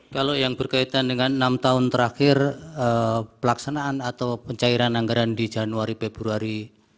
kalau yang berkaitan dengan enam tahun terakhir pelaksanaan atau pencairan anggaran di januari februari